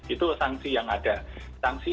itu sanksi yang ada sanksi